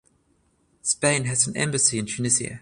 Spain has an embassy in Tunisia.